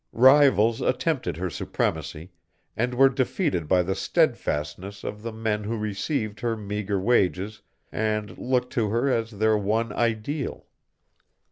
"Rivals attempted her supremacy, and were defeated by the steadfastness of the men who received her meagre wages and looked to her as their one ideal.